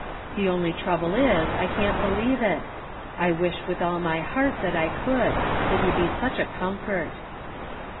The only trouble is I can't believe it ; I wisli with all my heart that I could ; it would be such a comfort.